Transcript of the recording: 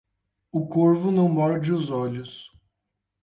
O corvo não morde os olhos.